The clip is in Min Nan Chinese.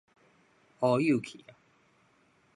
烏有去矣